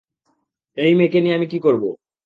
এই মেয়ে কে নিয়ে আমি কি করবো।